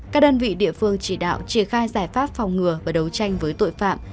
các đơn vị địa phương chỉ đạo triển khai giải pháp phòng ngừa và đấu tranh với tội phạm